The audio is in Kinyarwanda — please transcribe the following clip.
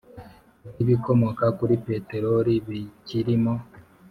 Bw ibikomoka kuri peteroli bikirimo